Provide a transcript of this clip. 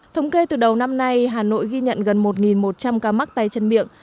thống kê từ đầu năm nay hà nội ghi nhận gần một một trăm linh ca mắc tay chân miệng